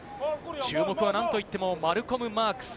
注目は何といってもマルコム・マークス。